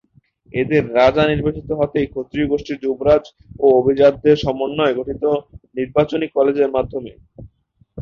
এদের রাজা নির্বাচিত হতেন ক্ষত্রিয় গোষ্ঠীর যুবরাজ ও অভিজাতদের সমন্বয়ে গঠিত নির্বাচনী কলেজের মাধ্যমে।